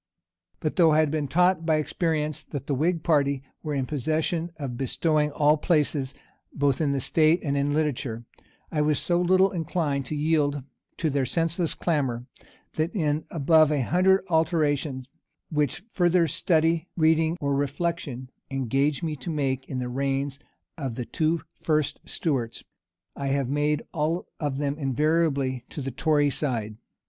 But though I had been taught by experience that the whig party were in possession of bestowing all places, both in the state and in Literature, I was so little inclined to yield to their senseless clamor, that in above a hundred alterations, which further study, reading, or reflection engaged me to make in the reigns of the two first Stuarts, I have made all of them invariably to the tory side.